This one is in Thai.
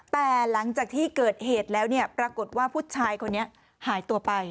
แต่หลังจากที่เกิดเหตุแล้วเนี่ยปรากฏว่าผู้ชายคนนี้หายตัวไป